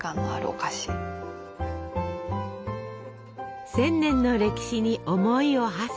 １，０００年の歴史に思いをはせて！